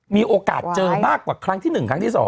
มีโอกาสเจอมากกว่าครั้งที่๑ครั้งที่๒